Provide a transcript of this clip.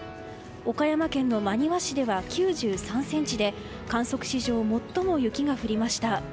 岡山県の真庭市では９３ｃｍで観測史上最も雪が降りました。